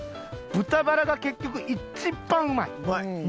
豚バラが結局一番うまい肉の中で。